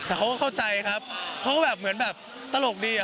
เเขาก็เข้าใจครับเขาเหมื่อเเหล้วแบบตลกดีอะ